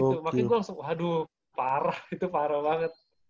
tuh makin gue langsung waduh parah itu parah banget